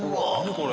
これ。